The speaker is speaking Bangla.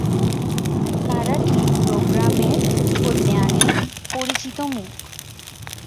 কারা টিভি প্রোগ্রামের কল্যাণে পরিচিত মুখ?